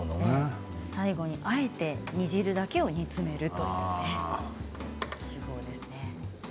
最後にあえて煮汁だけを煮詰めるんですね。